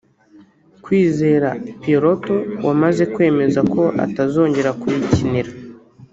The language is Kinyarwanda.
Kwizera Pierrot wamaze kwemeza ko atazongera kuyikinira